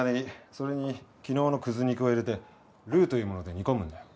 それに昨日のクズ肉を入れてルーというもので煮込むんだよ